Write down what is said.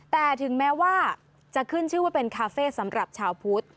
แต่ถึงแม้ว่าจะขึ้นชื่อว่าเป็นคาเฟ่สำหรับชาวพุทธ